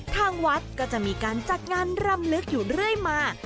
ทางวัดก็จะมีการจัดงานรำลึกอยู่เรื่อยมา